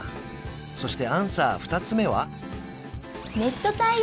そしてアンサー２つ目は？